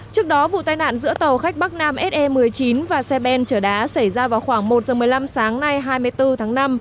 trước đó vụ tai nạn giữa tàu khách bắc nam se một mươi chín và xe ben chở đá xảy ra vào khoảng một h một mươi năm sáng nay hai mươi bốn tháng năm